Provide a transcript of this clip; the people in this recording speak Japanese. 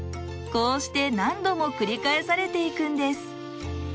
こうして何度も繰り返されていくんです。